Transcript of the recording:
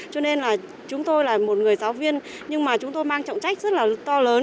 cho nên là chúng tôi là một người giáo viên nhưng mà chúng tôi mang trọng trách rất là to lớn